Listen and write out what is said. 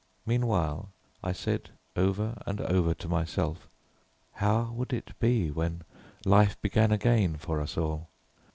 Meanwhile I said over and over to myself, how would it be when life began again for us all?